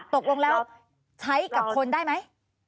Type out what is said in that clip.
ตกลงแล้วใช้กับคนได้ไหม